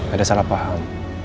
ada salah paham